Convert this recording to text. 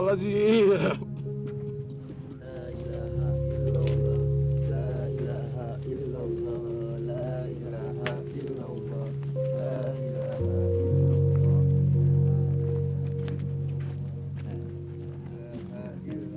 masjid ini tidak boleh dibakar lagi